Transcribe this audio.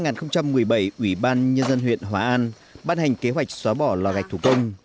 năm hai nghìn một mươi bảy ủy ban nhân dân huyện hòa an bắt hành kế hoạch xóa bỏ lò gạch thủ công